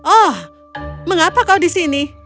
oh mengapa kau di sini